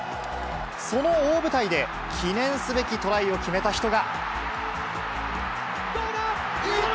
その大舞台で、記念すべきトライを決めた人が。